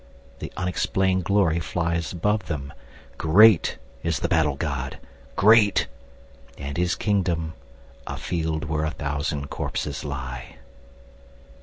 The unexplained glory flies above them, Great is the battle god, great, and his kingdom A field where a thousand corpses lie.